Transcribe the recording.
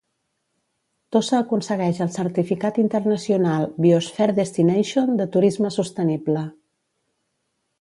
Tossa aconsegueix el certificat internacional 'Biosphere Destination'de turisme sostenible.